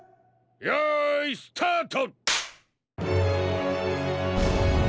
よいスタート！